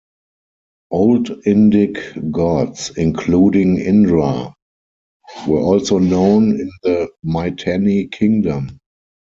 Old Indic gods, including Indra, were also known in the Mitanni kingdom.